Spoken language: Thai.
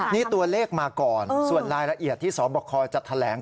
นี่ตัวเลขมาก่อนส่วนรายละเอียดที่สบคจะแถลง